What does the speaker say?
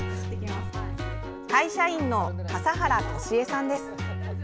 会社員の笠原敏恵さんです。